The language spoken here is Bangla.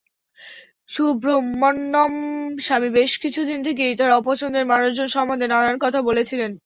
সুব্রহ্মণ্যম স্বামী বেশ কিছুদিন থেকেই তাঁর অপছন্দের মানুষজন সম্বন্ধে নানান কথা বলছিলেন।